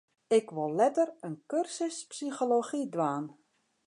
Ik wol letter in kursus psychology dwaan.